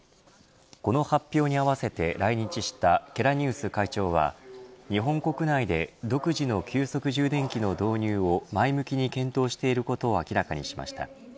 この発表に合わせて来日したケラニウス会長は日本国内で独自の急速充電器の導入を前向きに検討していることを明らかにしました。